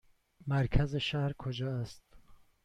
مرکز شهر کجا است؟